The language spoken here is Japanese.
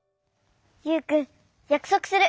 ユウくんやくそくする。